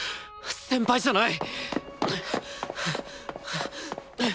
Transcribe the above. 先輩じゃない！